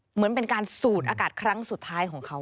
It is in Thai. เหมือนเป็นการสูดอากาศครั้งสุดท้ายของเขา